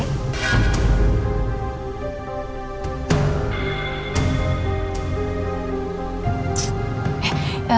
ya udah kayak gitu